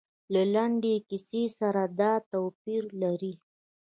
له لنډې کیسې سره دا توپیر لري.